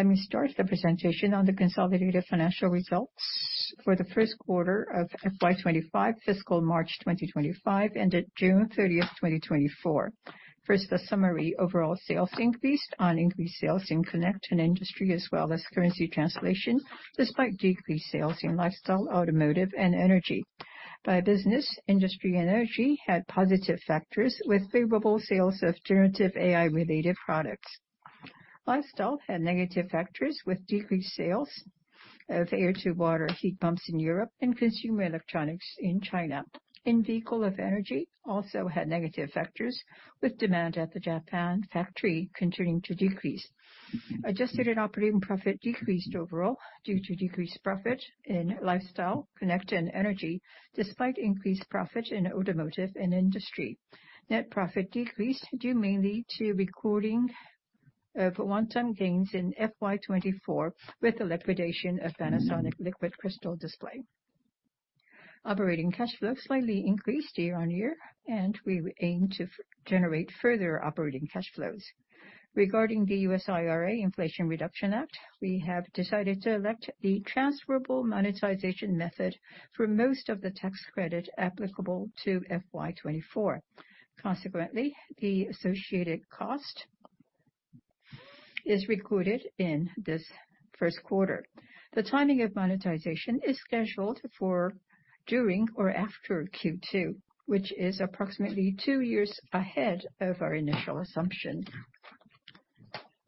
Let me start the presentation on the consolidated financial results for the first quarter of FY 2025, fiscal March 2025, ended June 30, 2024. First, the summary. Overall sales increased on increased sales in Connect and Industry, as well as currency translation, despite decreased sales in Lifestyle, Automotive, and Energy. By business, Industry and Energy had positive factors, with favorable sales of generative AI-related products. Lifestyle had negative factors, with decreased sales of air-to-water heat pumps in Europe and consumer electronics in China. In Automotive and Energy also had negative factors, with demand at the Japan factory continuing to decrease. Adjusted Operating Profit decreased overall due to decreased profit in Lifestyle, Connect, and Energy, despite increased profit in Automotive and Industry. Net profit decreased due mainly to recording of one-time gains in FY 2024, with the liquidation of Panasonic Liquid Crystal Display. Operating cash flow slightly increased year-on-year, and we aim to generate further operating cash flows. Regarding the U.S. IRA, Inflation Reduction Act, we have decided to elect the transferable monetization method for most of the tax credit applicable to FY 2024. Consequently, the associated cost is recorded in this first quarter. The timing of monetization is scheduled for during or after Q2, which is approximately two years ahead of our initial assumption.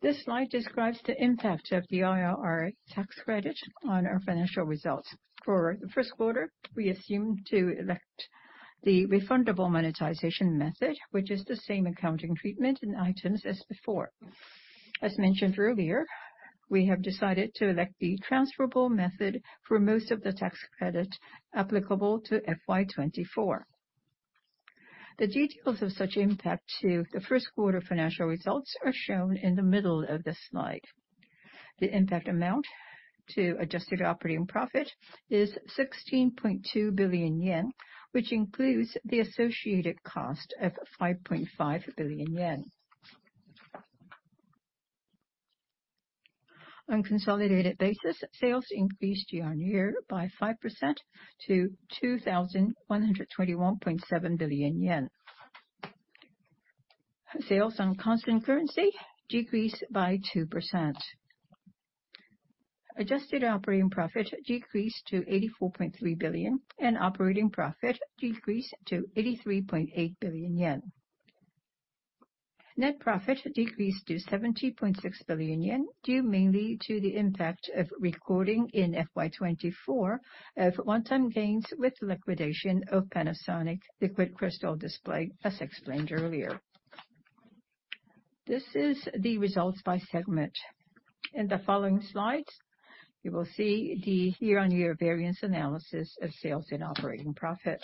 This slide describes the impact of the IRA tax credit on our financial results. For the first quarter, we assumed to elect the refundable monetization method, which is the same accounting treatment in items as before. As mentioned earlier, we have decided to elect the transferable method for most of the tax credit applicable to FY 2024. The details of such impact to the first quarter financial results are shown in the middle of this slide. The impact amounts to adjusted operating profit is 16.2 billion yen, which includes the associated cost of 5.5 billion yen. On consolidated basis, sales increased year-on-year by 5% to 2,121.7 billion yen. Sales on constant currency decreased by 2%. Adjusted operating profit decreased to 84.3 billion, and operating profit decreased to 83.8 billion yen. Net profit decreased to 70.6 billion yen, due mainly to the impact of recording in FY 2024 of one-time gains with liquidation of Panasonic Liquid Crystal Display, as explained earlier. This is the results by segment. In the following slides, you will see the year-on-year variance analysis of sales and operating profit.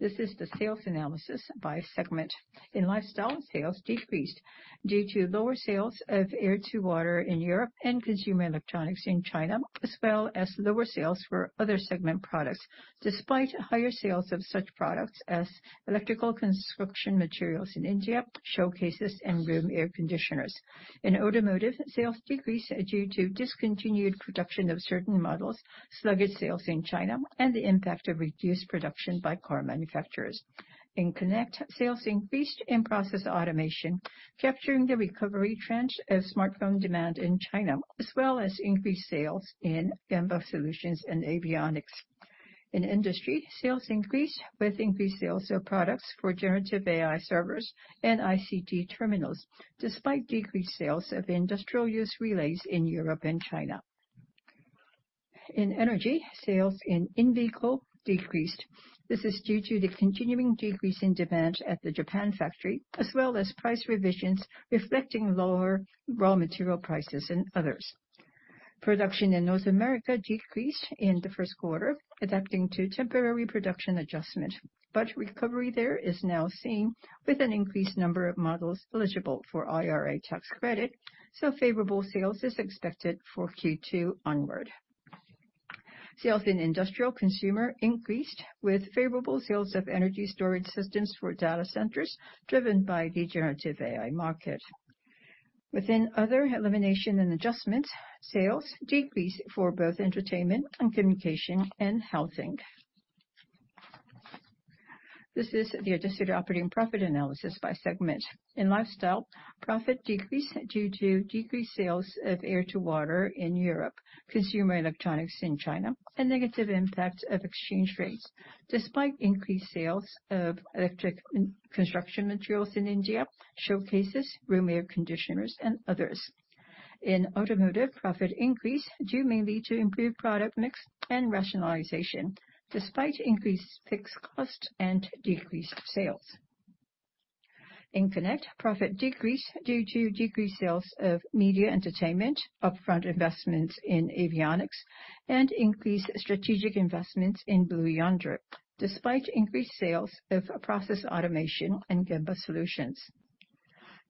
This is the sales analysis by segment. In Lifestyle, sales decreased due to lower sales of air-to-water in Europe and consumer electronics in China, as well as lower sales for other segment products, despite higher sales of such products as electrical construction materials in India, showcases, and room air conditioners. In Automotive, sales decreased due to discontinued production of certain models, sluggish sales in China, and the impact of reduced production by car manufacturers. In Connect, sales increased in Process Automation, capturing the recovery trend of smartphone demand in China, as well as increased sales in Gemba Solutions and Avionics. In Industry, sales increased with increased sales of products for generative AI servers and ICT terminals, despite decreased sales of industrial use relays in Europe and China. In Energy, sales in in-vehicle decreased. This is due to the continuing decrease in demand at the Japan factory, as well as price revisions reflecting lower raw material prices and others. Production in North America decreased in the first quarter, adapting to temporary production adjustment, but recovery there is now seen with an increased number of models eligible for IRA tax credit, so favorable sales is expected for Q2 onward. Sales in Industrial/Consumer increased, with favorable sales of energy storage systems for data centers, driven by the generative AI market. Within other elimination and adjustment, sales decreased for both Entertainment & Communication and Housing. This is the adjusted operating profit analysis by segment. In lifestyle, profit decreased due to decreased sales of air-to-water in Europe, consumer electronics in China, and negative impact of exchange rates, despite increased sales of electrical construction materials in India, showcases, room air conditioners, and others. In Automotive, profit increased, due mainly to improved product mix and rationalization, despite increased fixed cost and decreased sales. In Connect, profit decreased due to decreased sales of Media Entertainment, upfront investments in Avionics, and increased strategic investments in Blue Yonder, despite increased sales of Process Automation and Gemba Solutions.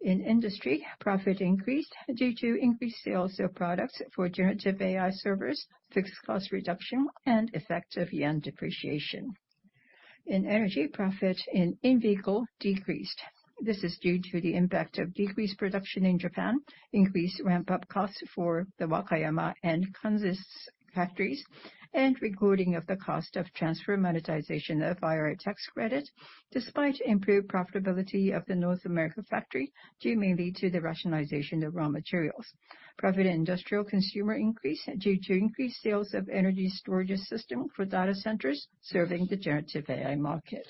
In Industry, profit increased due to increased sales of products for generative AI servers, fixed cost reduction, and effect of yen depreciation. In Energy, profit in in-vehicle decreased. This is due to the impact of decreased production in Japan, increased ramp-up costs for the Wakayama and Kansas factories, and recording of the cost of transfer monetization of IRA tax credit, despite improved profitability of the North America factory, due mainly to the rationalization of raw materials. Profit in Industrial/Consumer increased due to increased sales of energy storage system for data centers serving the generative AI market.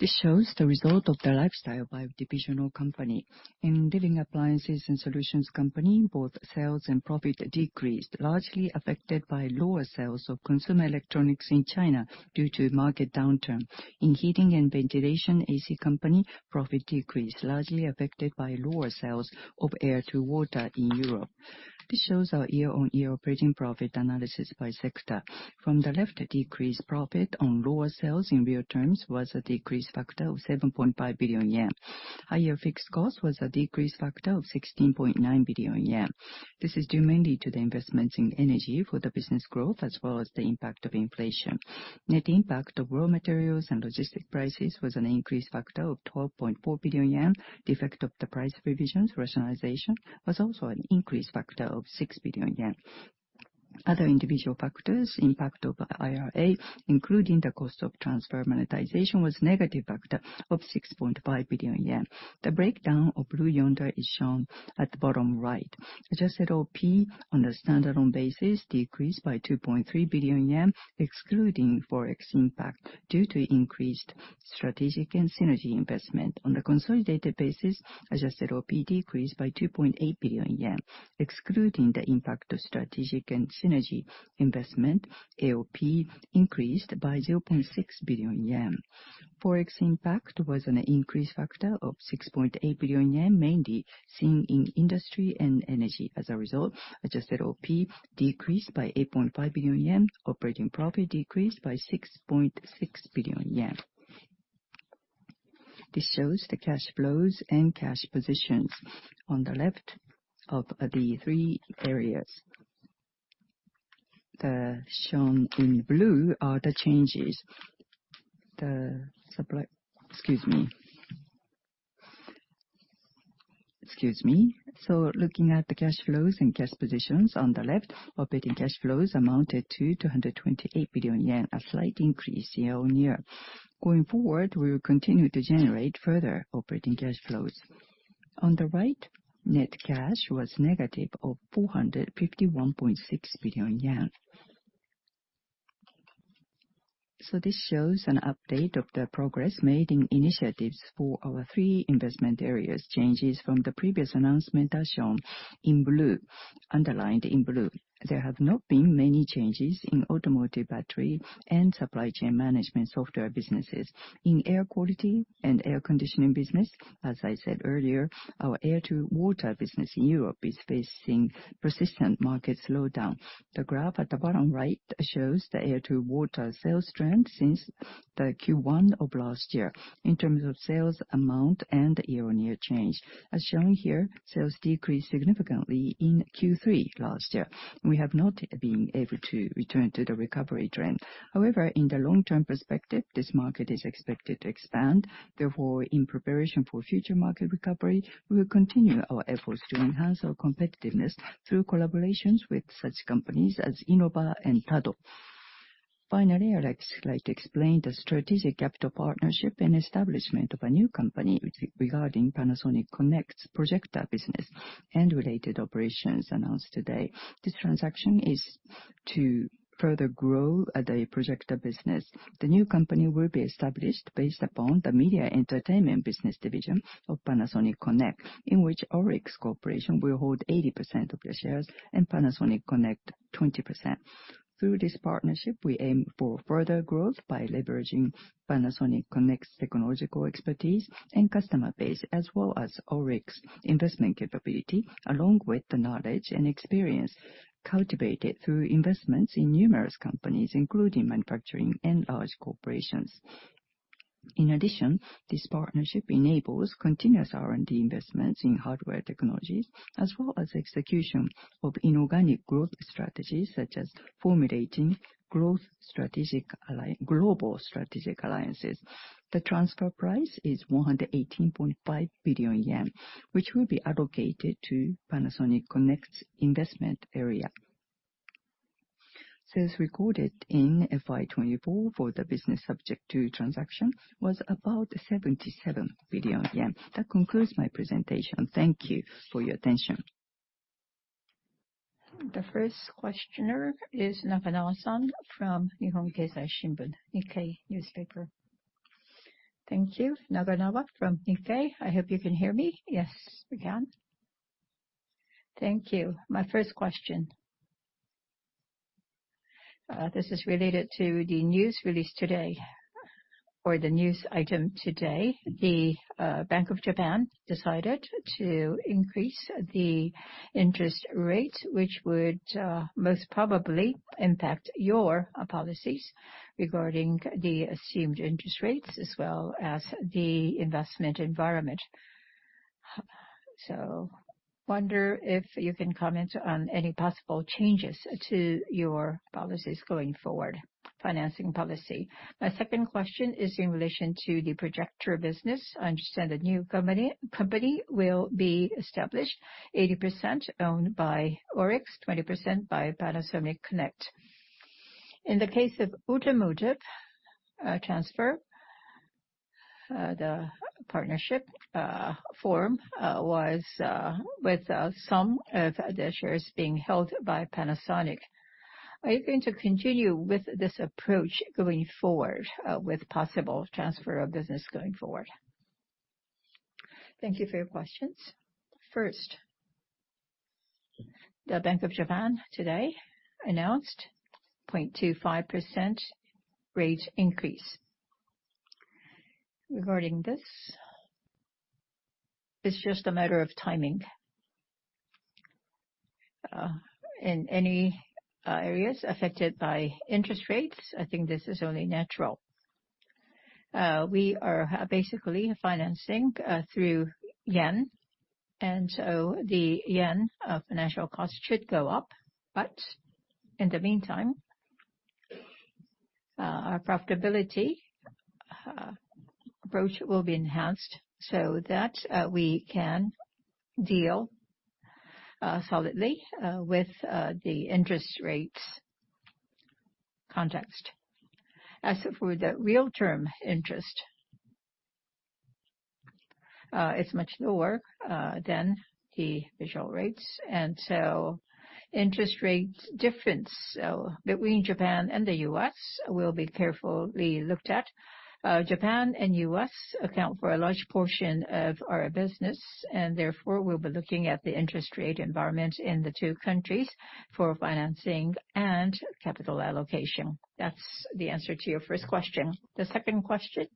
This shows the result of the Lifestyle by divisional company. In Living Appliances and Solutions Company, both sales and profit decreased, largely affected by lower sales of consumer electronics in China due to market downturn. In Heating and Ventilation AC Company, profit decreased, largely affected by lower sales of air-to-water in Europe. This shows our year-on-year operating profit analysis by sector. From the left, decreased profit on lower sales in real terms was a decreased factor of 7.5 billion yen. Higher fixed cost was a decreased factor of 16.9 billion yen. This is due mainly to the investments in Energy for the business growth, as well as the impact of inflation. Net impact of raw materials and logistics prices was an increased factor of 12.4 billion yen. The effect of the price revisions, rationalization, was also an increased factor of 6 billion yen. Other individual factors, impact of IRA, including the cost of transferable monetization, was negative factor of 6.5 billion yen. The breakdown of Blue Yonder is shown at the bottom right. Adjusted OP on a standalone basis decreased by 2.3 billion yen, excluding Forex impact, due to increased strategic and synergy investment. On a consolidated basis, adjusted OP decreased by 2.8 billion yen. Excluding the impact of strategic and synergy investment, AOP increased by 0.6 billion yen. Forex impact was an increased factor of 6.8 billion yen, mainly seen in Industry and Energy. As a result, adjusted OP decreased by 8.5 billion yen. Operating profit decreased by 6.6 billion yen. This shows the cash flows and cash positions. On the left of the three areas, the shown in blue are the changes. Excuse me. Excuse me. So looking at the cash flows and cash positions on the left, operating cash flows amounted to 228 billion yen, a slight increase year-on-year. Going forward, we will continue to generate further operating cash flows. On the right, net cash was negative of 451.6 billion yen. So this shows an update of the progress made in initiatives for our three investment areas. Changes from the previous announcement are shown in blue, underlined in blue. There have not been many changes in automotive battery and supply chain management software businesses. In air quality and air conditioning business, as I said earlier, our air-to-water business in Europe is facing persistent market slowdown. The graph at the bottom right shows the air-to-water sales trend since the Q1 of last year in terms of sales amount and year-on-year change. As shown here, sales decreased significantly in Q3 last year. We have not been able to return to the recovery trend. However, in the long-term perspective, this market is expected to expand. Therefore, in preparation for future market recovery, we will continue our efforts to enhance our competitiveness through collaborations with such companies as INNOVA and tado. Finally, I'd like to explain the strategic capital partnership and establishment of a new company regarding Panasonic Connect's Projector business and related operations announced today. This transaction is to further grow the Projector business. The new company will be established based upon the Media Entertainment Business Division of Panasonic Connect, in which ORIX Corporation will hold 80% of the shares and Panasonic Connect 20%. Through this partnership, we aim for further growth by leveraging Panasonic Connect's technological expertise and customer base, as well as ORIX investment capability, along with the knowledge and experience cultivated through investments in numerous companies, including manufacturing and large corporations. In addition, this partnership enables continuous R&D investments in hardware technologies, as well as execution of inorganic growth strategies, such as formulating growth strategic ally- global strategic alliances. The transfer price is 118.5 billion yen, which will be allocated to Panasonic Connect's investment area. Sales recorded in FY 2024 for the business subject to transaction was about 77 billion yen. That concludes my presentation. Thank you for your attention. The first questioner is Naganawa-san from Nihon Keizai Shimbun, Nikkei newspaper. Thank you. Naganawa from Nikkei. I hope you can hear me. Yes, we can. Thank you. My first question, this is related to the news released today or the news item today. The, Bank of Japan decided to increase the interest rate, which would, most probably impact your policies regarding the assumed interest rates as well as the investment environment. So wonder if you can comment on any possible changes to your policies going forward, financing policy? My second question is in relation to the Projector business. I understand a new company will be established, 80% owned by ORIX, 20% by Panasonic Connect. In the case of Automotive transfer, the partnership form was with some of their shares being held by Panasonic. Are you going to continue with this approach going forward, with possible transfer of business going forward? Thank you for your questions. First, the Bank of Japan today announced 0.25% rate increase. Regarding this, it's just a matter of timing. In any areas affected by interest rates, I think this is only natural. We are basically financing through yen, and so the yen financial cost should go up. But in the meantime, our profitability approach will be enhanced so that we can deal solidly with the interest rates context. As for the real-term interest, it's much lower than the official rates, and so interest rates difference between Japan and the U.S. will be carefully looked at. Japan and U.S. account for a large portion of our business, and therefore, we'll be looking at the interest rate environment in the two countries for financing and capital allocation. That's the answer to your first question. The second question,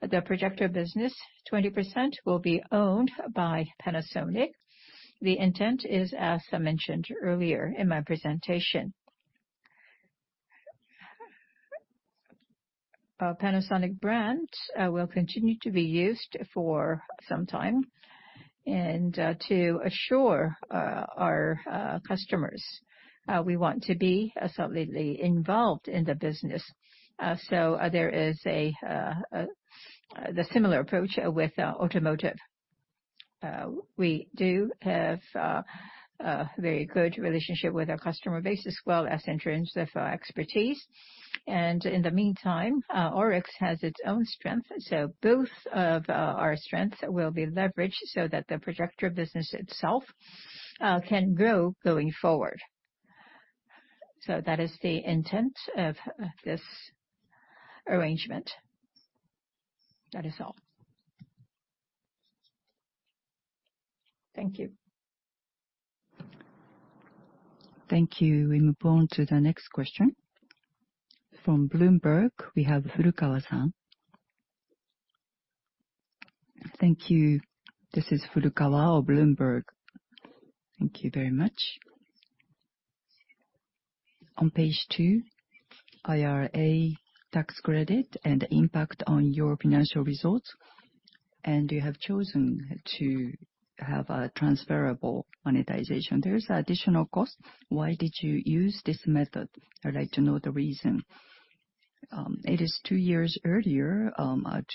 the Projector business, 20% will be owned by Panasonic. The intent is, as I mentioned earlier in my presentation, Panasonic brand will continue to be used for some time and, to assure our customers, we want to be solidly involved in the business. So there is the similar approach with Automotive. We do have a very good relationship with our customer base as well as in terms of our expertise. In the meantime, ORIX has its own strength, so both of our strengths will be leveraged so that the Projector business itself can grow going forward. That is the intent of this arrangement. That is all. Thank you. Thank you. We move on to the next question. From Bloomberg, we have Furukawa-san. Thank you. This is Furukawa of Bloomberg. Thank you very much. On page two, IRA tax credit and impact on your financial results, and you have chosen to have a transferable monetization. There is additional cost. Why did you use this method? I'd like to know the reason. It is two years earlier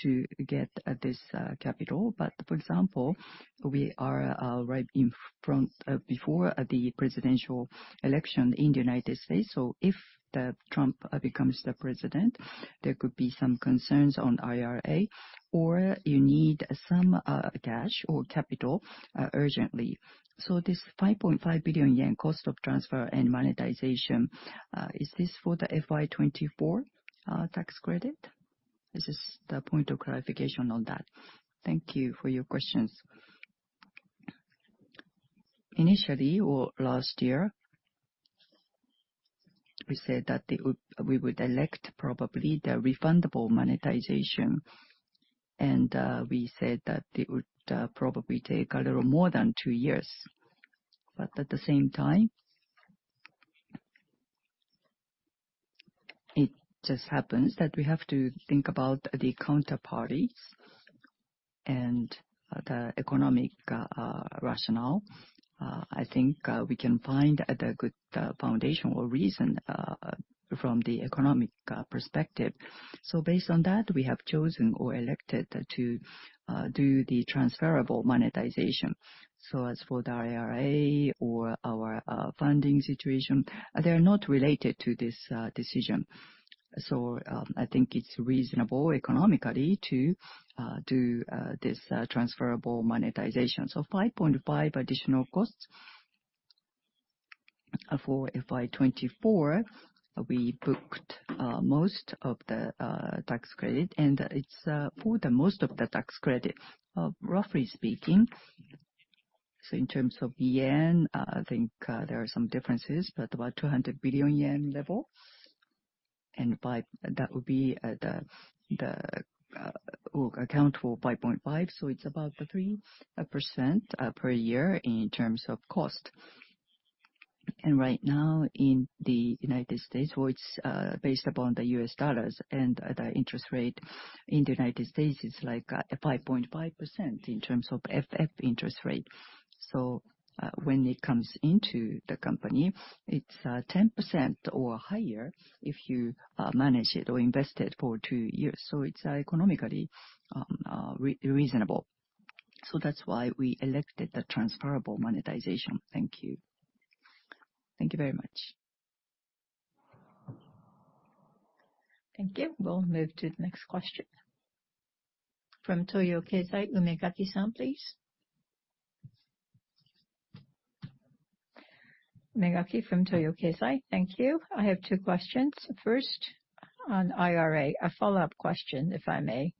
to get this capital, but for example, we are right in front before the presidential election in the United States. So if the Trump becomes the president, there could be some concerns on IRA, or you need some cash or capital urgently. This 5.5 billion yen cost of transfer and monetization, is this for the FY 2024 tax credit? This is the point of clarification on that. Thank you for your questions. Initially, or last year, we said that we would elect probably the refundable monetization, and we said that it would probably take a little more than two years. But at the same time, it just happens that we have to think about the counterparty and the economic rationale. I think we can find the good foundation or reason from the economic perspective. So based on that, we have chosen or elected to do the transferable monetization. So as for the IRA or our funding situation, they're not related to this decision. So I think it's reasonable economically to do this transferable monetization. So 5.5 billion additional costs for FY 2024, we booked most of the tax credit, and it's for the most of the tax credit, roughly speaking. So in terms of yen, I think there are some differences, but about 200 billion yen level, and that would be the account for 5.5 billion, so it's about the 3% per year in terms of cost. And right now, in the United States, well, it's based upon the U.S. dollars, and the interest rate in the United States is like 5.5% in terms of Fed funds interest rate. So when it comes into the company, it's 10% or higher if you manage it or invest it for two years. So it's economically reasonable. So that's why we elected the transferable monetization. Thank you. Thank you very much. Thank you. We'll move to the next question from Toyo Keizai, Umegaki-san, please. Umegaki from Toyo Keizai. Thank you. I have two questions. First, on IRA, a follow-up question, if I may.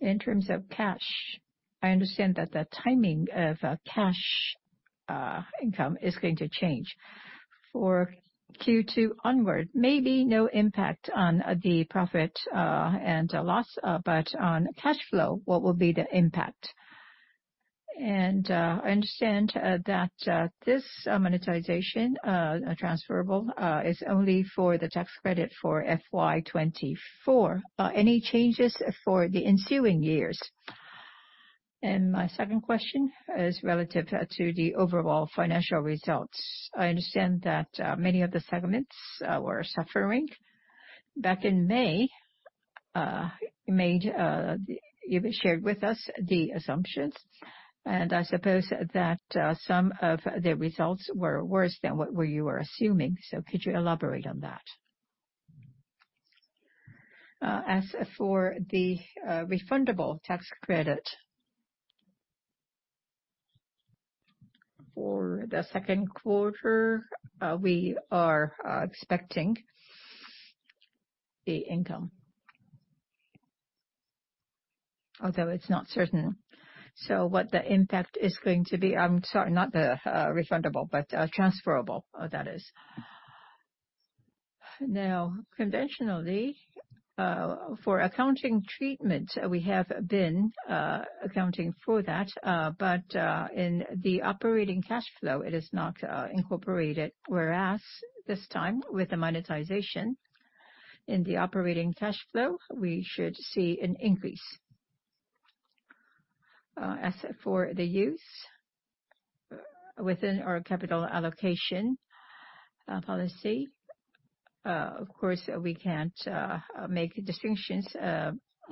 In terms of cash, I understand that the timing of cash income is going to change. For Q2 onward, maybe no impact on the profit and loss, but on cash flow, what will be the impact? And I understand that this monetization, transferable, is only for the tax credit for FY 2024. Any changes for the ensuing years? And my second question is relative to the overall financial results. I understand that many of the segments were suffering. Back in May, you made, you shared with us the assumptions, and I suppose that, some of the results were worse than what, what you were assuming. So could you elaborate on that? As for the refundable tax credit, for the second quarter, we are expecting the income, although it's not certain. So what the impact is going to be—I'm sorry, not the refundable, but transferable, that is. Now, conventionally, for accounting treatment, we have been accounting for that, but in the operating cash flow, it is not incorporated. Whereas this time, with the monetization in the operating cash flow, we should see an increase. As for the use within our capital allocation policy, of course, we can't make distinctions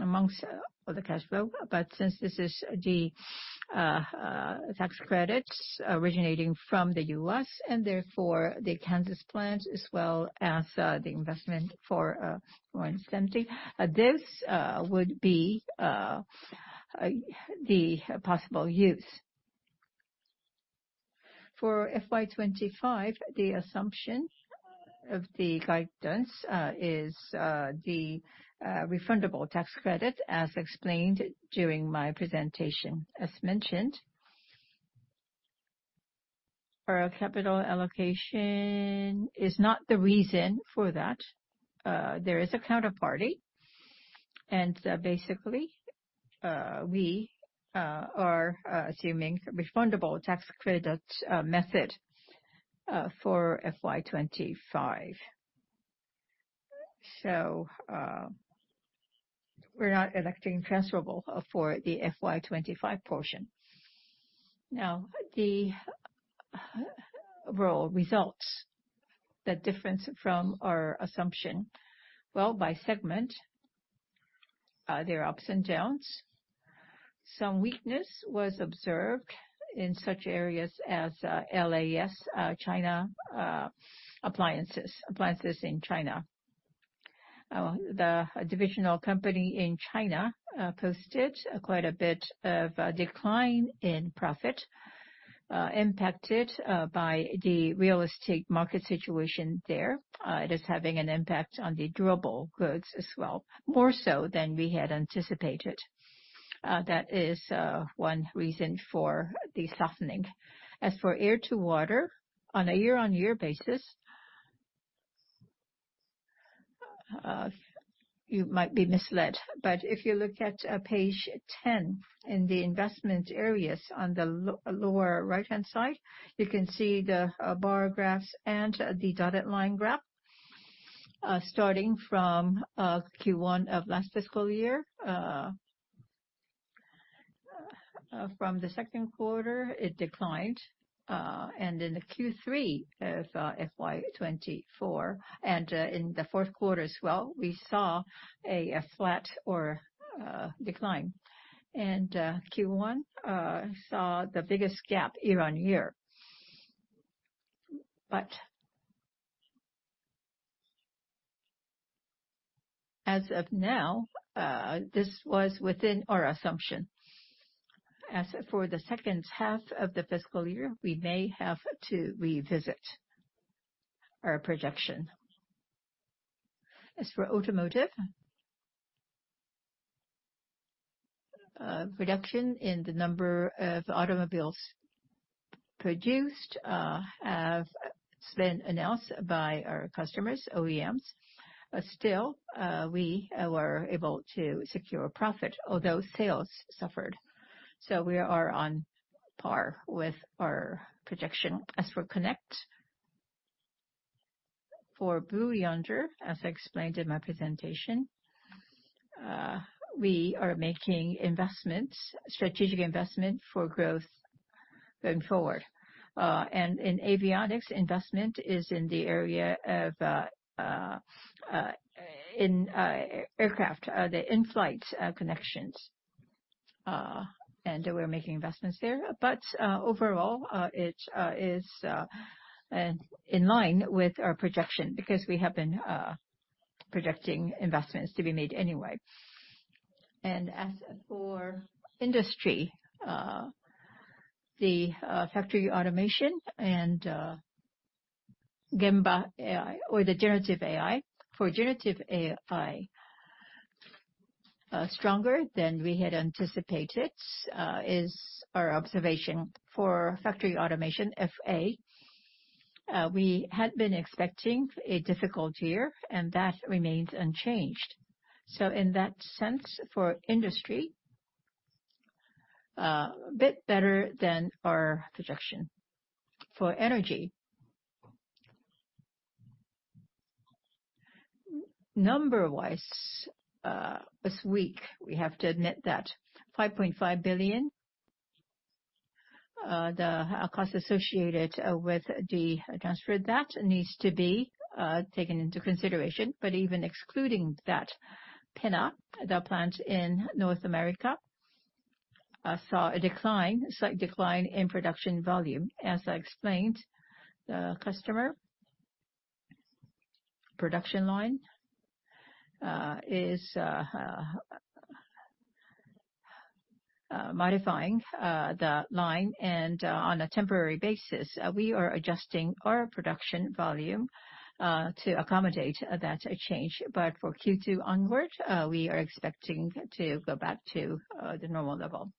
amongst all the cash flow. But since this is the tax credits originating from the U.S., and therefore, the Kansas plant as well as the investment for Lawrence, Kansas, this would be the possible use. For FY 2025, the assumption of the guidance is the refundable tax credit as explained during my presentation. As mentioned, our capital allocation is not the reason for that. There is a counterparty, and basically, we are assuming refundable tax credit method for FY 2025. So, we're not electing transferable for the FY 2025 portion. Now, the overall results, the difference from our assumption, well, by segment, there are ups and downs. Some weakness was observed in such areas as LAS, China, appliances, appliances in China. The divisional company in China posted quite a bit of a decline in profit, impacted by the real estate market situation there. It is having an impact on the durable goods as well, more so than we had anticipated. That is one reason for the softening. As for air-to-water, on a year-on-year basis, you might be misled, but if you look at page 10 in the investment areas on the lower right-hand side, you can see the bar graphs and the dotted line graph, starting from Q1 of last fiscal year. From the second quarter, it declined, and in the Q3 of FY 2024, and in the fourth quarter as well, we saw a flat or decline. Q1 saw the biggest gap year-on-year. But as of now, this was within our assumption. As for the second half of the fiscal year, we may have to revisit our projection. As for Automotive, reduction in the number of automobiles produced. It's been announced by our customers, OEMs. Still, we were able to secure profit, although sales suffered. So we are on par with our projection as for Connect. For Blue Yonder, as I explained in my presentation, we are making investments, strategic investment for growth going forward. And in Avionics, investment is in the area of, in aircraft, the in-flight connections. And we're making investments there. But overall, it is in line with our projection, because we have been projecting investments to be made anyway. As for industry, the factory automation and Gemba AI or the generative AI. For generative AI, stronger than we had anticipated is our observation. For factory automation, FA, we had been expecting a difficult year, and that remains unchanged. So in that sense, for Industry, a bit better than our projection. For Energy, number-wise, it's weak, we have to admit that. 5.5 billion, the cost associated with the transfer, that needs to be taken into consideration. But even excluding that, PENA, the plant in North America, saw a decline, slight decline in production volume. As I explained, the customer production line is modifying the line, and on a temporary basis, we are adjusting our production volume to accommodate that change. But for Q2 onward, we are expecting to go back to the normal level.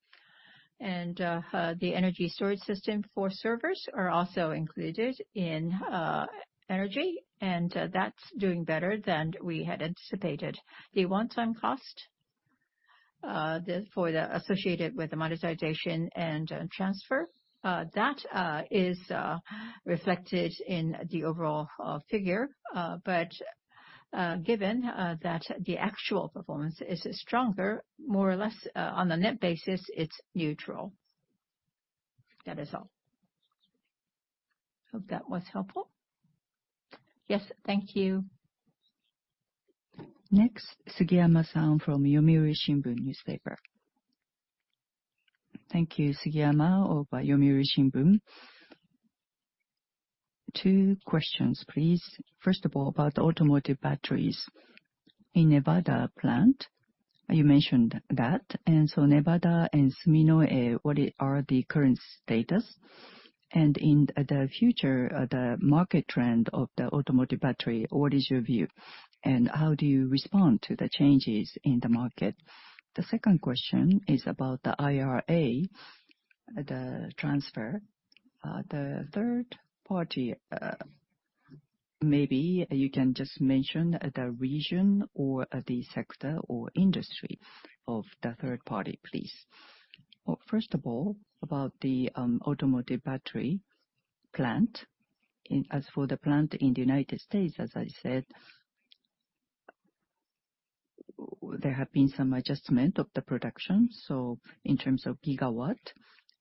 And the energy storage system for servers are also included in Energy, and that's doing better than we had anticipated. The one-time cost associated with the monetization and transfer that is reflected in the overall figure. But given that the actual performance is stronger, more or less on the net basis, it's neutral. That is all. Hope that was helpful. Yes, thank you. Next, Sugiyama-san from Yomiuri Shimbun Newspaper. Thank you, Sugiyama of Yomiuri Shimbun. Two questions, please. First of all, about automotive batteries in Nevada plant, you mentioned that. And so Nevada and Suminoe, what are the current status? And in the future, the market trend of the automotive battery, what is your view, and how do you respond to the changes in the market? The second question is about the IRA, the transfer. The third party, maybe you can just mention the region or the sector or industry of the third party, please. Well, first of all, about the automotive battery plant, as for the plant in the United States, as I said, there have been some adjustment of the production. So in terms of gigawatt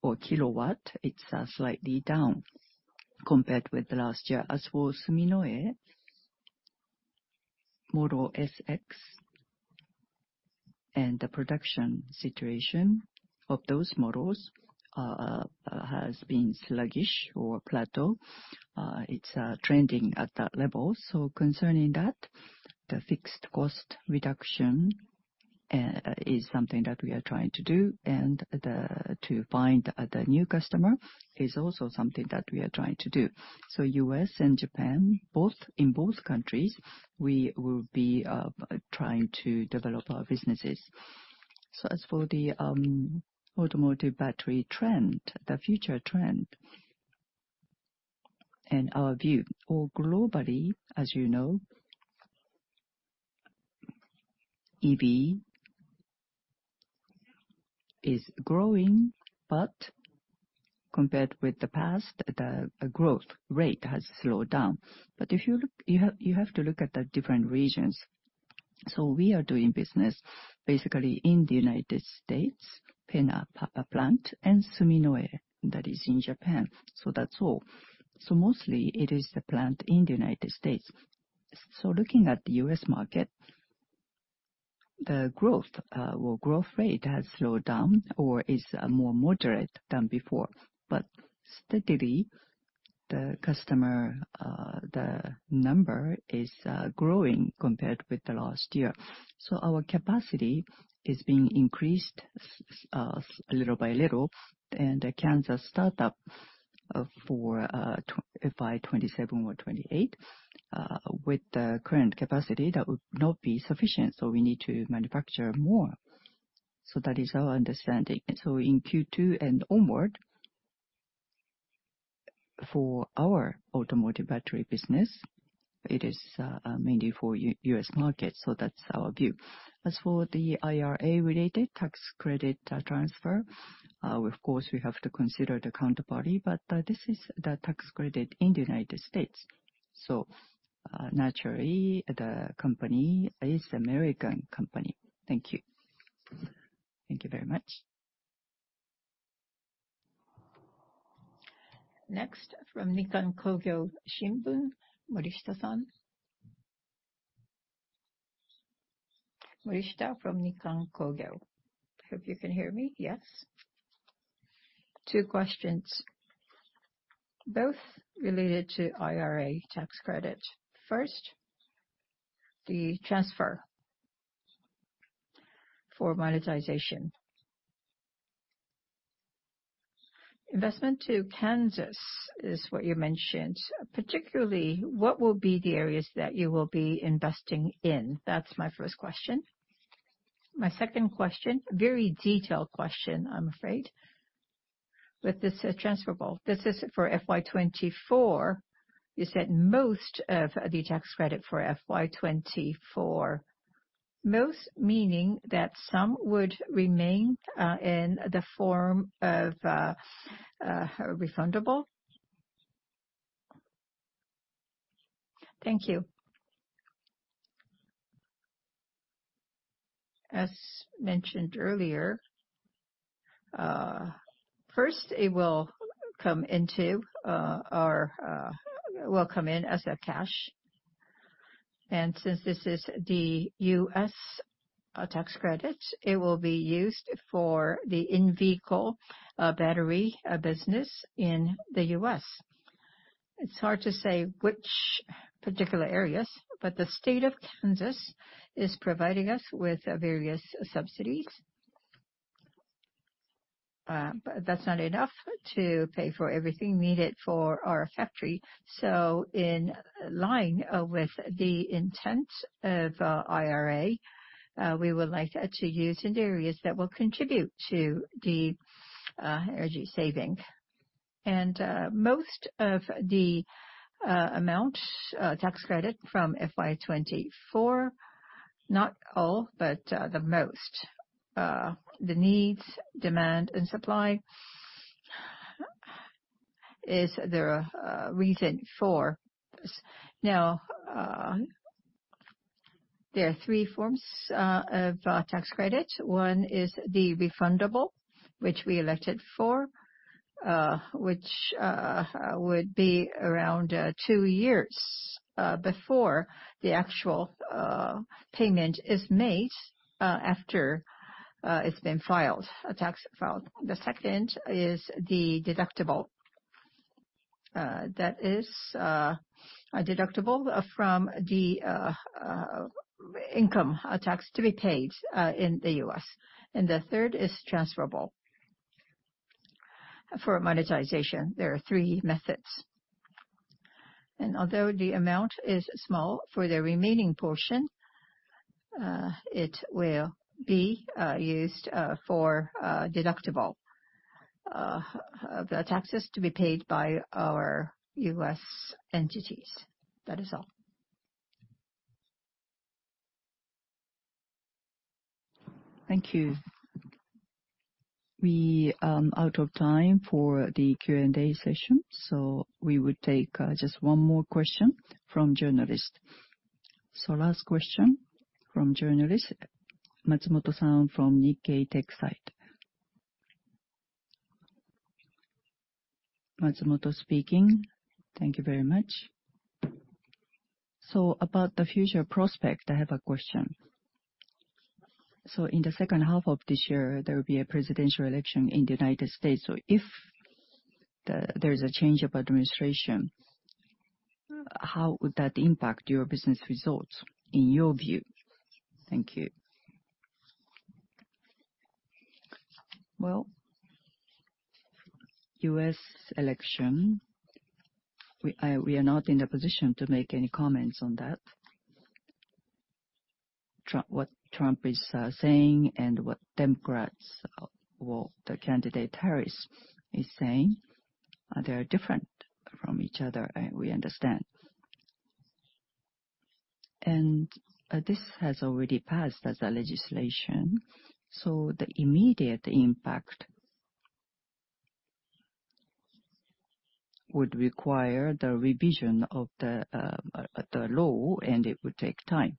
or kilowatt, it's slightly down compared with the last year. As for Suminoe Model S/X, and the production situation of those models, has been sluggish or plateau. It's trending at that level. So concerning that, the fixed cost reduction is something that we are trying to do, and to find the new customer is also something that we are trying to do. So U.S. and Japan, both, in both countries, we will be trying to develop our businesses. So as for the automotive battery trend, the future trend and our view, or globally, as you know, EV is growing, but compared with the past, the growth rate has slowed down. But if you look, you have, you have to look at the different regions. So we are doing business basically in the United States, PENA plant, and Suminoe, that is in Japan, so that's all. So mostly it is the plant in the United States. So looking at the U.S. market, the growth, or growth rate has slowed down or is, more moderate than before. But steadily, the customer, the number is, growing compared with the last year. So our capacity is being increased, little by little, and the Kansas startup, for, by 2027 or 2028, with the current capacity, that would not be sufficient, so we need to manufacture more.... So that is our understanding. So in Q2 and onward, for our automotive battery business, it is mainly for U.S. market, so that's our view. As for the IRA-related tax credit transfer, of course, we have to consider the counterparty, but this is the tax credit in the United States, so naturally, the company is American company. Thank you. Thank you very much. Next, from Nikkan Kogyo Shimbun, Morishita-san. Morishita from Nikkan Kogyo. Hope you can hear me. Yes? Two questions, both related to IRA tax credit. First, the transfer for monetization. Investment to Kansas is what you mentioned. Particularly, what will be the areas that you will be investing in? That's my first question. My second question, very detailed question, I'm afraid, with this, transferable. This is for FY 2024. You said most of the tax credit for FY 2024. Most meaning that some would remain in the form of refundable? Thank you. As mentioned earlier, first, it will come into or will come in as cash, and since this is the U.S. tax credit, it will be used for the in-vehicle battery business in the U.S. It's hard to say which particular areas, but the state of Kansas is providing us with various subsidies. But that's not enough to pay for everything needed for our factory, so in line with the intent of IRA, we would like to use in areas that will contribute to the energy saving. And most of the amount tax credit from FY 2024, not all, but the most, the needs, demand, and supply is the reason for this. Now, there are three forms of tax credit. One is the refundable, which we elected for, which would be around two years before the actual payment is made after it's been filed, a tax filed. The second is the deductible, that is, a deductible from the income tax to be paid in the U.S. And the third is transferable. For monetization, there are three methods. Although the amount is small for the remaining portion, it will be used for deducting the taxes to be paid by our U.S. entities. That is all. Thank you. We are out of time for the Q&A session, so we will take just one more question from journalist. So last question from journalist Matsumoto-san from Nikkei Tech Site. Matsumoto speaking. Thank you very much. So about the future prospect, I have a question. So in the second half of this year, there will be a presidential election in the United States. So if there's a change of administration, how would that impact your business results, in your view? Thank you. Well, U.S. election, we are not in a position to make any comments on that. What Trump is saying and what Democrats or, well, the candidate Harris is saying, they are different from each other, we understand. And this has already passed as a legislation, so the immediate impact would require the revision of the law, and it would take time.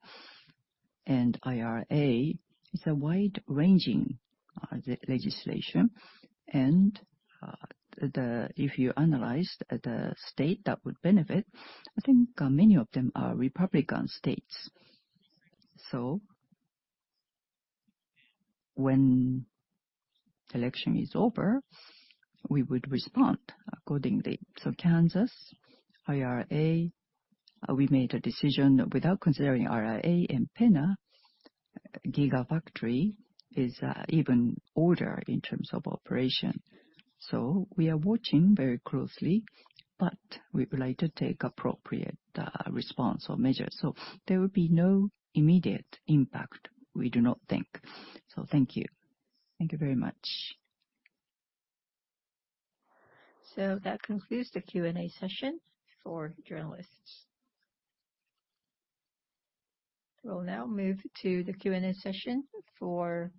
And IRA is a wide-ranging legislation, and if you analyze the state that would benefit, I think many of them are Republican states. So when election is over, we would respond accordingly. So Kansas IRA, we made a decision without considering IRA, and PENA GigaFactory is even older in terms of operation. So we are watching very closely, but we would like to take appropriate response or measures. So there will be no immediate impact, we do not think. So thank you. Thank you very much. So that concludes the Q&A session for journalists. We'll now move to the Q&A session for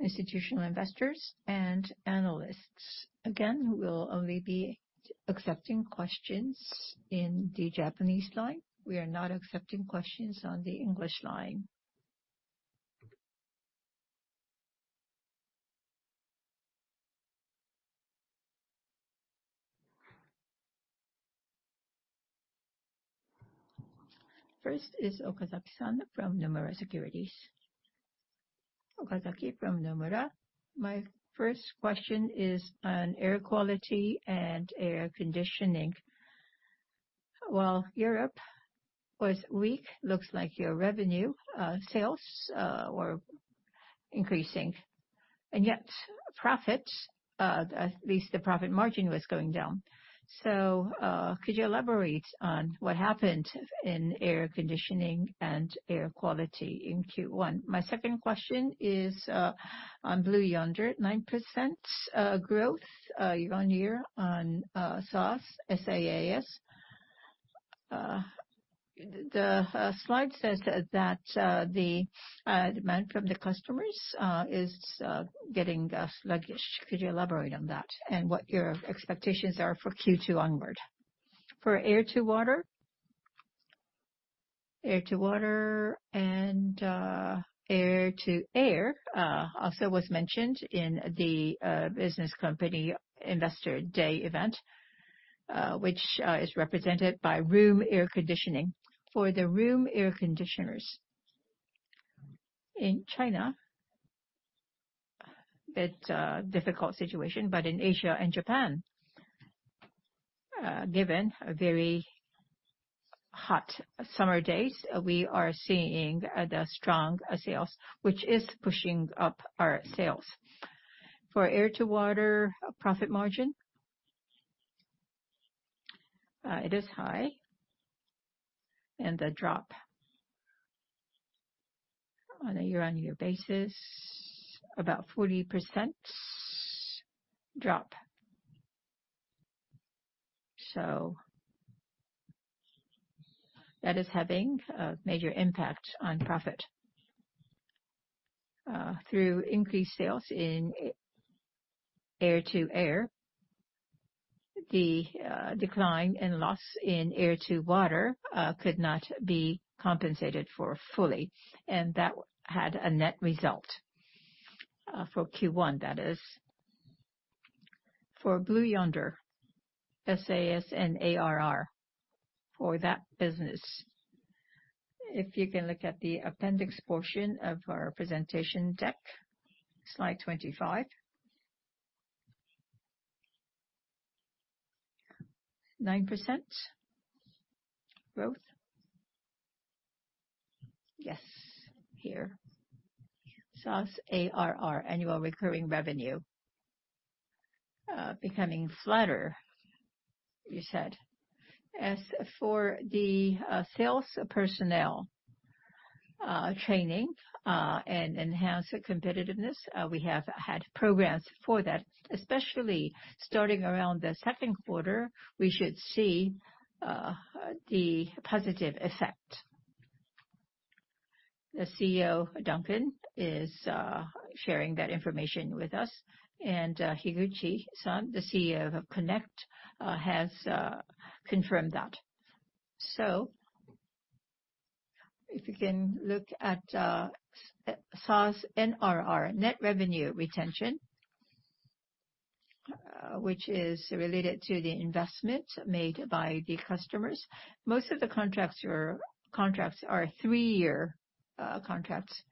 institutional investors and analysts. Again, we'll only be accepting questions in the Japanese line. We are not accepting questions on the English line. First is Okazaki-san from Nomura Securities. Okazaki from Nomura. My first question is on air quality and air conditioning. While Europe was weak, looks like your revenue, sales, were increasing, and yet profit, at least the profit margin was going down. So, could you elaborate on what happened in air conditioning and air quality in Q1? My second question is, on Blue Yonder, 9% growth, year-on-year on, SaaS, S-A-A-S. The slide says that the demand from the customers is getting sluggish. Could you elaborate on that and what your expectations are for Q2 onward? For air-to-water, air-to-water, and air-to-air also was mentioned in the business company Investor Day event which is represented by room air conditioning. For the room air conditioners, in China, it's a difficult situation, but in Asia and Japan, given a very hot summer days, we are seeing the strong sales, which is pushing up our sales. For air-to-water profit margin, it is high, and the drop on a year-on-year basis, about 40% drop. So that is having a major impact on profit. Through increased sales in air-to-air, the decline and loss in air-to-water could not be compensated for fully, and that had a net result for Q1, that is. For Blue Yonder, SaaS and ARR for that business, if you can look at the appendix portion of our presentation deck, slide 25. 9% growth. Yes, here. SaaS ARR, annual recurring revenue, becoming flatter, you said. As for the sales personnel training and enhance the competitiveness, we have had programs for that. Especially starting around the second quarter, we should see the positive effect. The CEO, Duncan, is sharing that information with us, and Higuchi-san, the CEO of Connect, has confirmed that. So if you can look at SaaS NRR, Net Revenue Retention, which is related to the investments made by the customers. Most of the contracts are three-year contracts.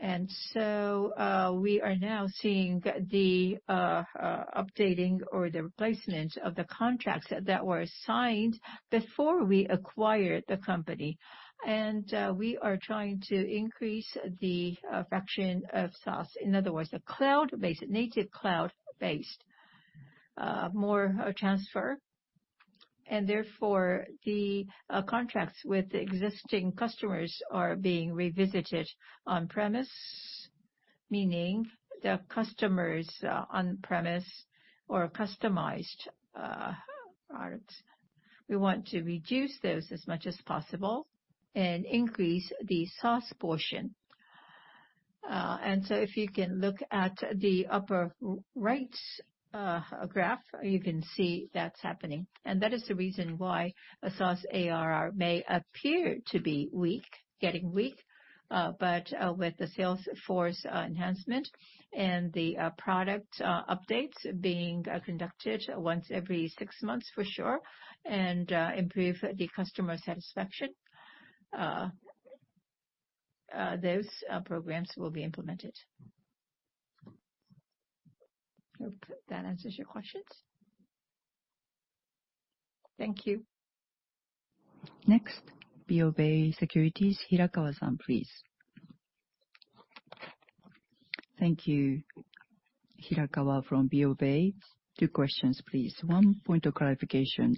And so, we are now seeing the updating or the replacement of the contracts that were signed before we acquired the company. And we are trying to increase the fraction of SaaS. In other words, the cloud-based, native cloud-based, more transferable, and therefore, the contracts with the existing customers are being revisited on-premise, meaning the customers on-premise or customized products. We want to reduce those as much as possible and increase the SaaS portion. And so if you can look at the upper right graph, you can see that's happening. That is the reason why a SaaS ARR may appear to be weak, getting weak, but with the sales force enhancement and the product updates being conducted once every six months for sure, and improve the customer satisfaction, those programs will be implemented. Hope that answers your questions? Thank you. Next, BofA Securities, Hirakawa-san, please. Thank you. Hirakawa from BofA. Two questions, please. One point of clarification,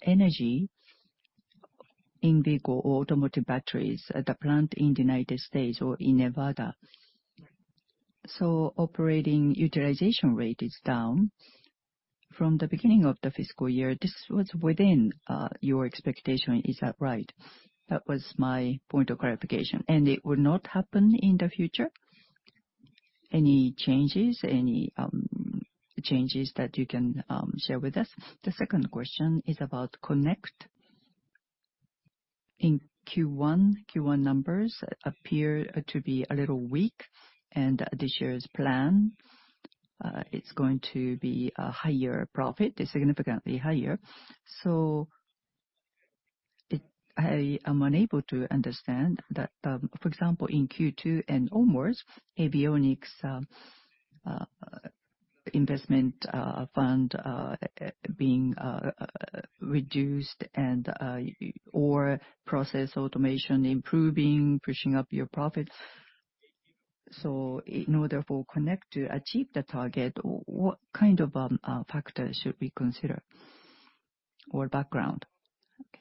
EV or automotive batteries at the plant in the United States or in Nevada. So operating utilization rate is down from the beginning of the fiscal year. This was within your expectation, is that right? That was my point of clarification, and it will not happen in the future? Any changes, any changes that you can share with us? The second question is about Connect. In Q1, Q1 numbers appear to be a little weak, and this year's plan, it's going to be a higher profit, significantly higher. So it... I am unable to understand that, for example, in Q2 and onwards, Avionics investment fund being reduced and or Process Automation improving, pushing up your profits. So in order for Connect to achieve the target, what kind of factors should we consider or background?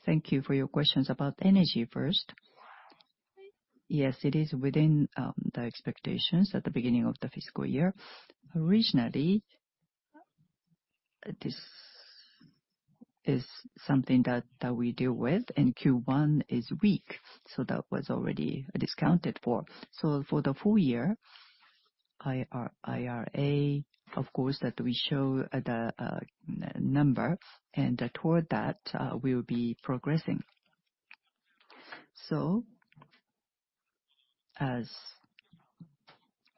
Thank you for your questions. About Energy first, yes, it is within the expectations at the beginning of the fiscal year. Originally, this is something that we deal with, and Q1 is weak, so that was already discounted for. So for the full year, IRA, of course, that we show the number, and toward that, we will be progressing. So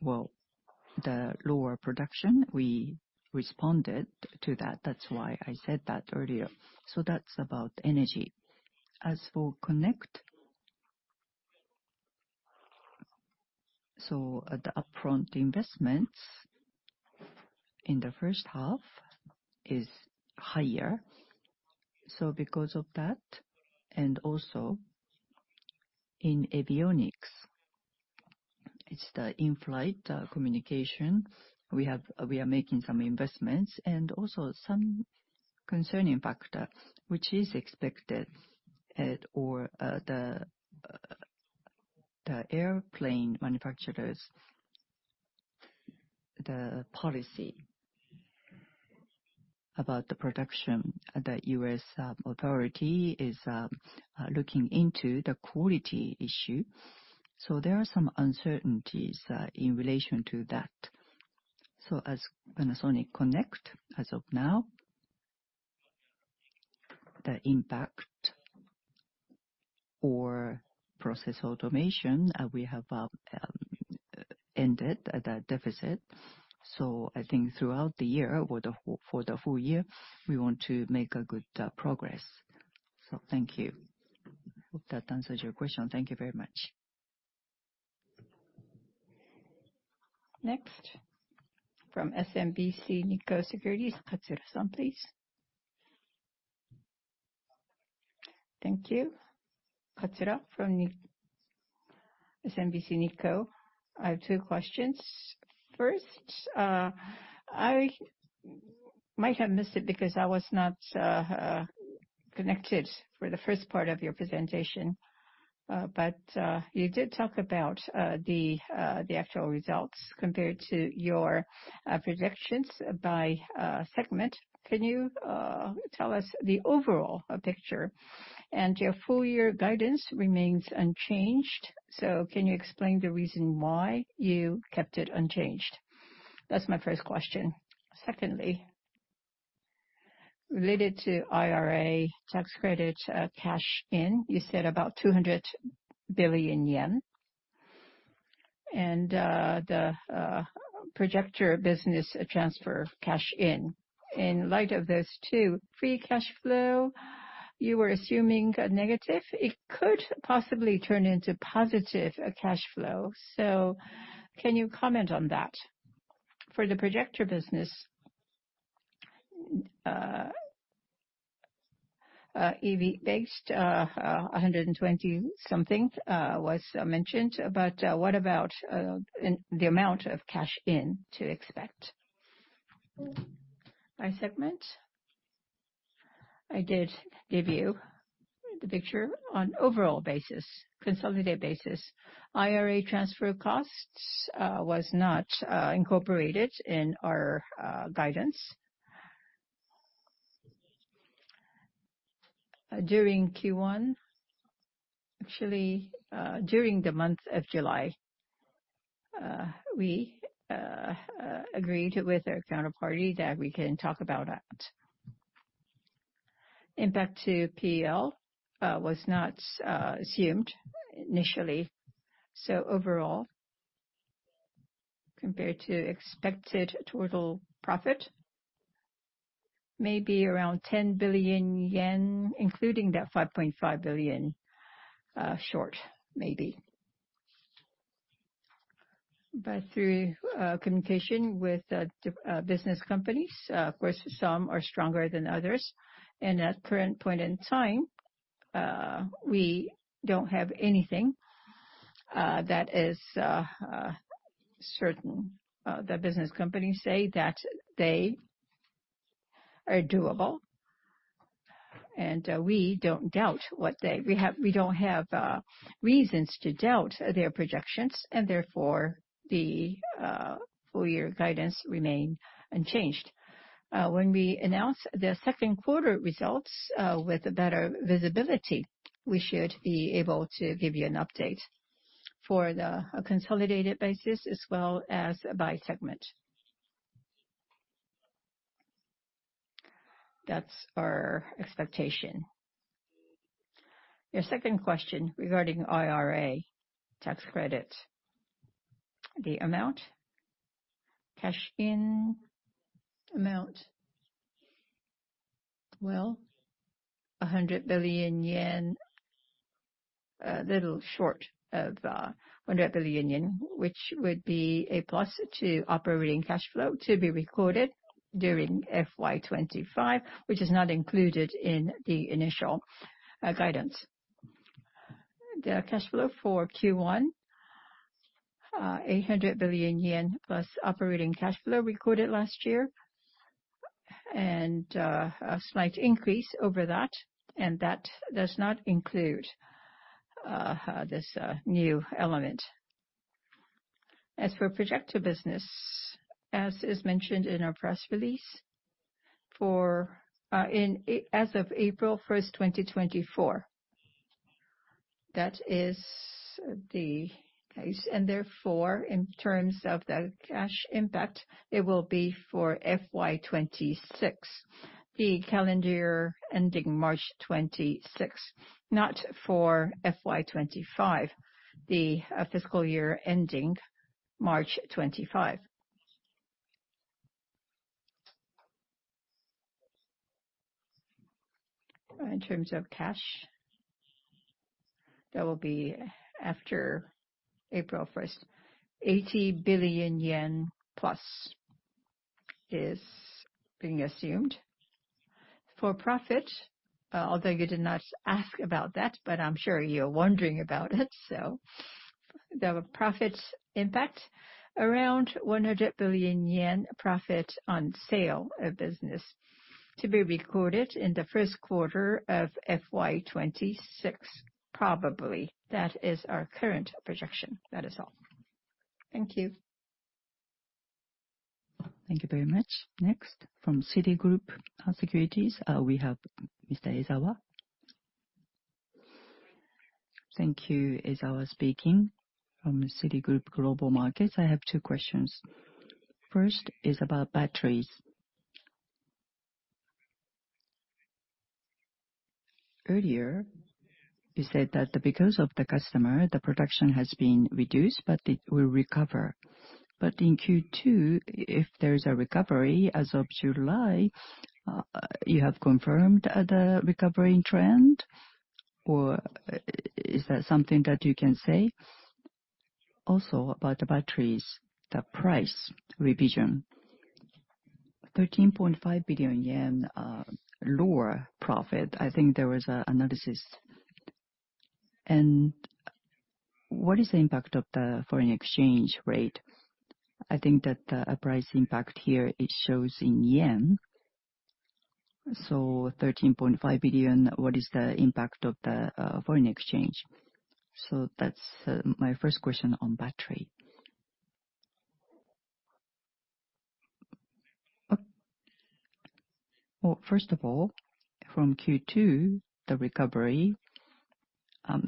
well, the lower production, we responded to that. That's why I said that earlier. So that's about Energy. As for Connect, so at the upfront investments in the first half is higher. So because of that, and also in Avionics, it's the in-flight communication. We are making some investments and also some concerning factor, which is expected at or the airplane manufacturers, the policy about the production. The U.S. authority is looking into the quality issue, so there are some uncertainties in relation to that. So as Panasonic Connect, as of now, the impact or Process Automation, we have ended at a deficit. So I think throughout the year, or the whole, for the full year, we want to make a good progress. So thank you. Hope that answers your question. Thank you very much. Next, from SMBC Nikko Securities, Katsura-san, please. Thank you. Katsura from SMBC Nikko. I have two questions. First, I might have missed it because I was not connected for the first part of your presentation. But you did talk about the actual results compared to your projections by segment. Can you tell us the overall picture? And your full year guidance remains unchanged, so can you explain the reason why you kept it unchanged? That's my first question. Secondly, related to IRA tax credit cash in, you said about 200 billion yen. And the projector business transfer cash in. In light of this, too, free cash flow, you were assuming a negative. It could possibly turn into positive cash flow, so can you comment on that? For the projector business, EV-based, 120-something was mentioned, but what about in the amount of cash in to expect? By segment, I did give you the picture on overall basis, consolidated basis. IRA transfer costs was not incorporated in our guidance. During Q1, actually, during the month of July, we agreed with our counterparty that we can talk about that. Impact to P&L was not assumed initially. So overall, compared to expected total profit, maybe around 10 billion yen, including that 5.5 billion short, maybe.... but through communication with the business companies, of course, some are stronger than others, and at current point in time, we don't have anything that is certain. The business companies say that they are doable, and we don't doubt what they. We have we don't have reasons to doubt their projections, and therefore, the full year guidance remain unchanged. When we announce the second quarter results, with better visibility, we should be able to give you an update for the a consolidated basis as well as by segment. That's our expectation. Your second question regarding IRA tax credit, the amount, cash in amount, well, 100 billion yen, a little short of 100 billion yen, which would be a plus to operating cash flow to be recorded during FY 2025, which is not included in the initial guidance. The cash flow for Q1, 800 billion yen+ operating cash flow recorded last year, and a slight increase over that, and that does not include this new element. As for projector business, as is mentioned in our press release, for, in A- as of April 1st, 2024, that is the case, and therefore, in terms of the cash impact, it will be for FY 2026, the calendar year ending March 2026, not for FY 2025, the, fiscal year ending March 2025. In terms of cash, that will be after April 1st, 80 billion yen+ is being assumed. For profit, although you did not ask about that, but I'm sure you're wondering about it, so the profit impact, around 100 billion yen profit on sale of business to be recorded in the first quarter of FY 2026, probably. That is our current projection. That is all. Thank you. Thank you very much. Next, from Citigroup Securities, we have Mr. Ezawa. Thank you. Ezawa speaking from Citigroup Global Markets. I have two questions. First is about batteries. Earlier, you said that because of the customer, the production has been reduced, but it will recover. But in Q2, if there's a recovery as of July, you have confirmed the recovering trend, or is that something that you can say? Also, about the batteries, the price revision, 13.5 billion yen, lower profit, I think there was an analysis. And what is the impact of the foreign exchange rate? I think that, a price impact here, it shows in yen, so 13.5 billion, what is the impact of the foreign exchange? So that's my first question on battery. Well, first of all, from Q2, the recovery,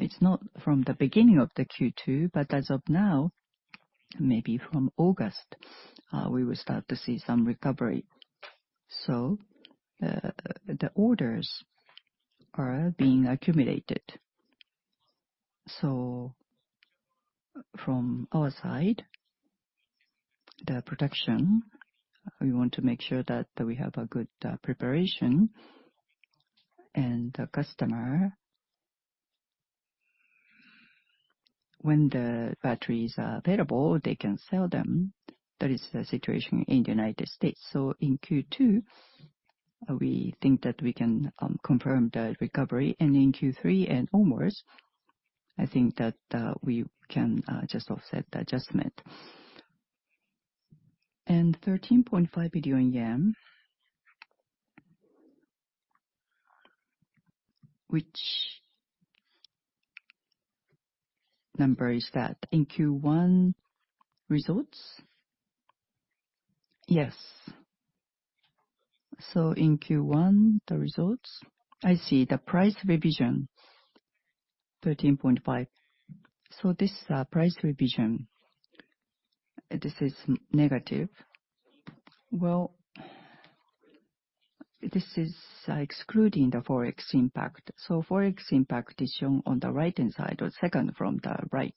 it's not from the beginning of the Q2, but as of now, maybe from August, we will start to see some recovery. So, the orders are being accumulated. So from our side, the production, we want to make sure that we have a good, preparation, and the customer, when the batteries are available, they can sell them. That is the situation in the United States. So in Q2, we think that we can, confirm the recovery, and in Q3 and onwards, I think that, we can, just offset the adjustment. And JPY 13.5 billion, which number is that, in Q1 results? Yes. So in Q1, the results, I see the price revision, 13.5 billion. So this price revision, this is negative? Well, this is, excluding the Forex impact. So Forex impact is shown on the right-hand side, or second from the right.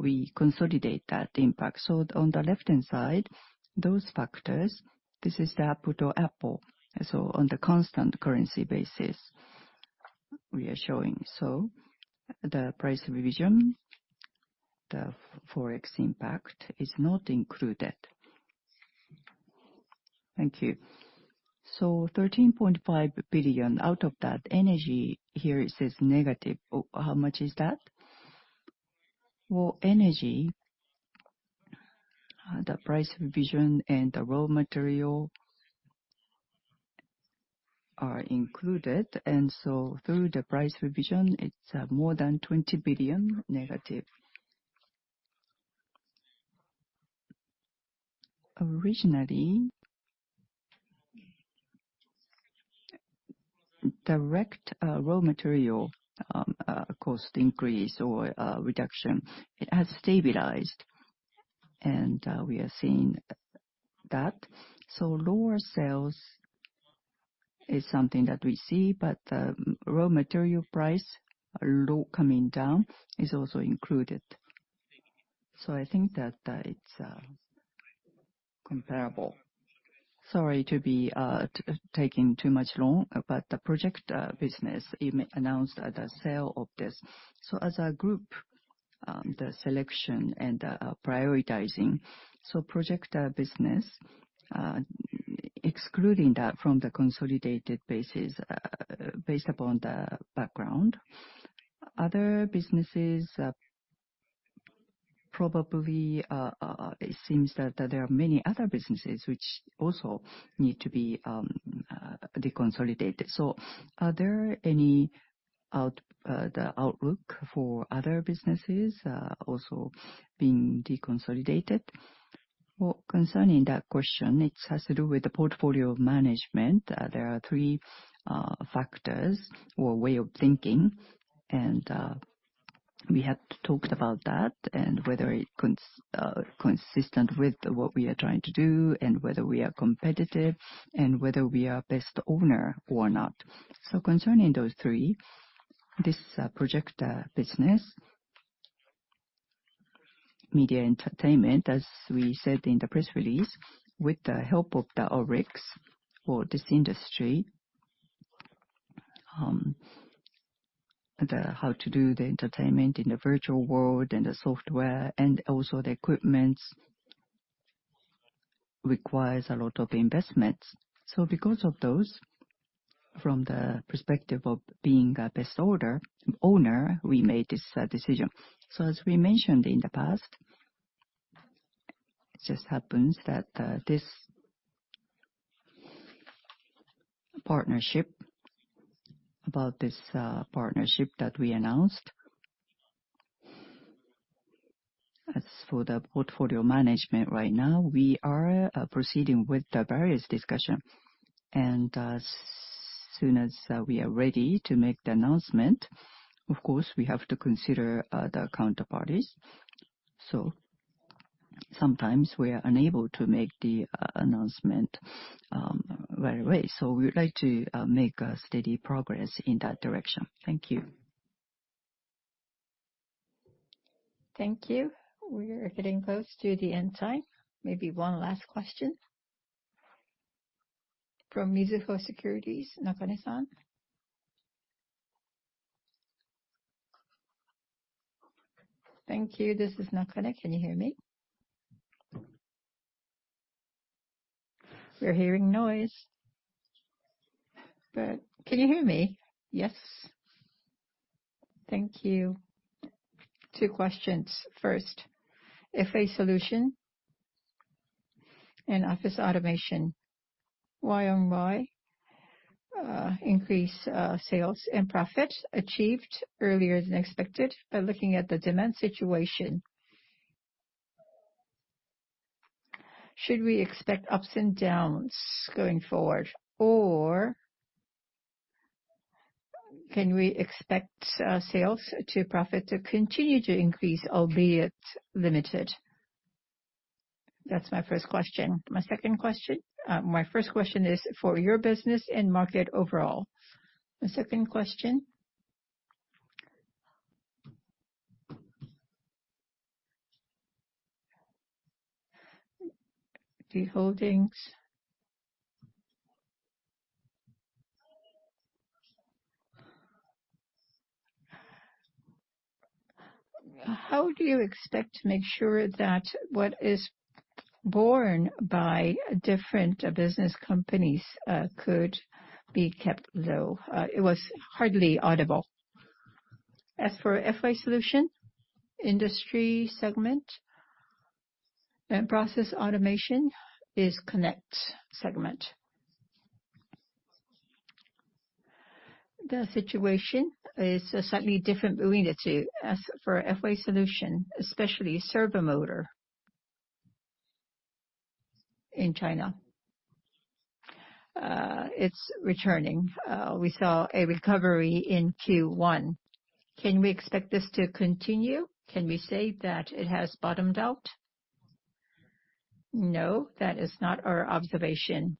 We consolidate that impact. So on the left-hand side, those factors, this is the output or output, so on the constant currency basis.... we are showing, so the price revision, the Forex impact is not included. Thank you. So 13.5 billion, out of that, Energy, here it says negative. Oh, how much is that? Well, Energy, the price revision and the raw material are included, and so through the price revision, it's more than 20 billion-. Originally, direct, raw material, cost increase or reduction, it has stabilized, and we are seeing that. So lower sales is something that we see, but raw material price, low coming down is also included. So I think that it's comparable. Sorry to be taking too long, but the projector business, you announced the sale of this. So as a group, the selection and prioritizing, so projector business, excluding that from the consolidated basis, based upon the background, other businesses, probably, it seems that there are many other businesses which also need to be deconsolidated. So are there any outlook for other businesses also being deconsolidated? Well, concerning that question, it has to do with the portfolio management. There are three factors or way of thinking, and we have talked about that, and whether it consistent with what we are trying to do, and whether we are competitive, and whether we are best owner or not. So concerning those three, this Projector business, Media Entertainment, as we said in the press release, with the help of the ORIX in this industry, how to do the entertainment in the virtual world, and the software, and also the equipment, requires a lot of investments. So because of those, from the perspective of being a best owner, we made this decision. So as we mentioned in the past, it just happens that this partnership, about this partnership that we announced. As for the portfolio management, right now, we are proceeding with the various discussions, and as soon as we are ready to make the announcement, of course, we have to consider the counterparties. So sometimes we are unable to make the announcement right away. So we would like to make steady progress in that direction. Thank you. Thank you. We are getting close to the end time. Maybe one last question. From Mizuho Securities, Nakane-san? Thank you. This is Nakane. Can you hear me? We're hearing noise. But can you hear me? Yes. Thank you. Two questions. First, FA solutions and office automation, Y-on-Y, increase, sales and profits achieved earlier than expected by looking at the demand situation. Should we expect ups and downs going forward, or can we expect, sales to profit to continue to increase, albeit limited? That's my first question. My second question... My first question is for your business and market overall. The second question, the holdings. How do you expect to make sure that what is borne by different business companies, could be kept low? It was hardly audible. As for FA solutions industry segment and Process Automation is Connect segment. The situation is slightly different between the two. As for FA solution, especially servo motor in China, it's returning. We saw a recovery in Q1. Can we expect this to continue? Can we say that it has bottomed out? No, that is not our observation.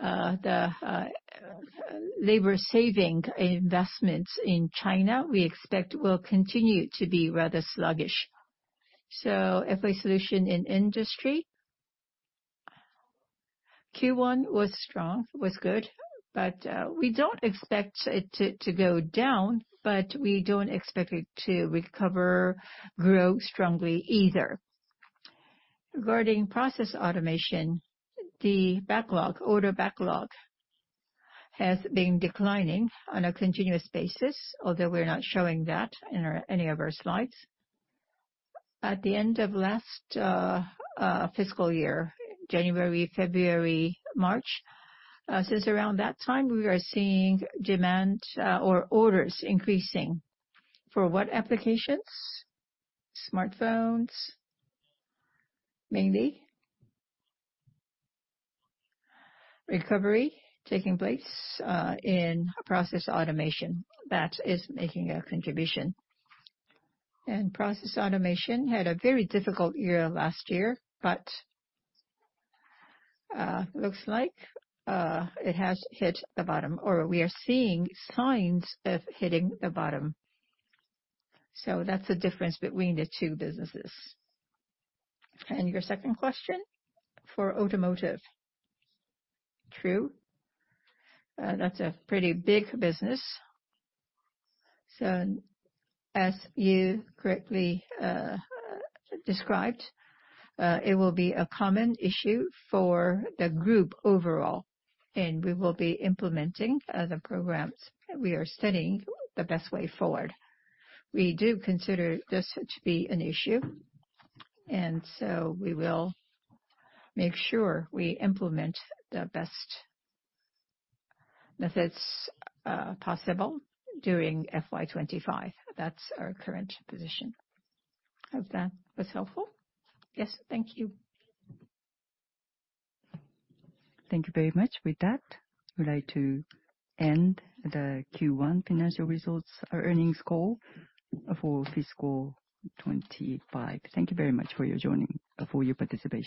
The labor saving investments in China, we expect will continue to be rather sluggish. So FA Solution in industry-... Q1 was strong, was good, but we don't expect it to go down, but we don't expect it to recover, grow strongly either. Regarding Process Automation, the backlog, order backlog, has been declining on a continuous basis, although we're not showing that in any of our slides. At the end of last fiscal year, January, February, March, since around that time, we are seeing demand, or orders increasing. For what applications? Smartphones, mainly. Recovery taking place in Process Automation, that is making a contribution. And Process Automation had a very difficult year last year, but looks like it has hit the bottom, or we are seeing signs of hitting the bottom. So that's the difference between the two businesses. And your second question? For Automotive. True, that's a pretty big business, so as you correctly described, it will be a common issue for the group overall, and we will be implementing the programs. We are studying the best way forward. We do consider this to be an issue, and so we will make sure we implement the best methods possible during FY 2025. That's our current position. Hope that was helpful. Yes, thank you. Thank you very much. With that, we'd like to end the Q1 financial results, our earnings call for fiscal 2025. Thank you very much for your joining, for your participation.